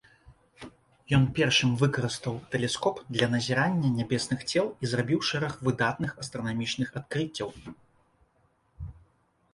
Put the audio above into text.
Ён першым выкарыстаў тэлескоп для назірання нябесных цел і зрабіў шэраг выдатных астранамічных адкрыццяў.